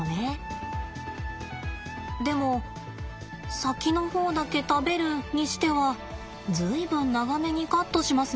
でも先の方だけ食べるにしては随分長めにカットしますね。